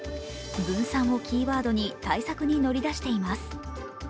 分散をキーワードに対策に乗り出しています。